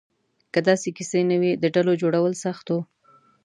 که داسې کیسې نه وې، د ډلو جوړول سخت وو.